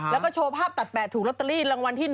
แล้วก็โชว์ภาพตัดแปะถูกลอตเตอรี่รางวัลที่๑